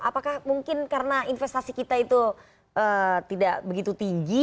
apakah mungkin karena investasi kita itu tidak begitu tinggi